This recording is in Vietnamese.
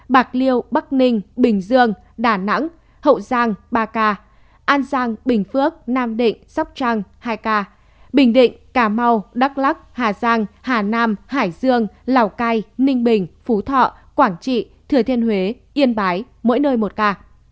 bạc liêu bắc ninh bình dương đà nẵng hậu giang ba ca an giang bình phước nam định sóc trăng hai ca bình định cà mau đắk lắc hà giang hà nam hải dương lào cai ninh bình phú thọ quảng trị thừa thiên huế yên bái mỗi nơi một ca